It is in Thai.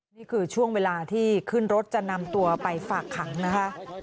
นี่คือช่วงเวลาที่ขึ้นรถจะนำตัวไปฝากขังนะคะ